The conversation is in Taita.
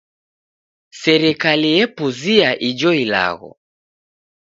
Serikali epuzia ijo ilagho.